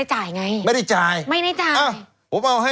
ใช่ค่าเข้า